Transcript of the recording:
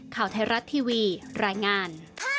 ข่าวไทยรัฐทีวีรายงาน